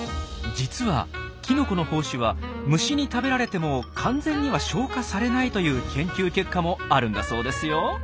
実はきのこの胞子は虫に食べられても完全には消化されないという研究結果もあるんだそうですよ。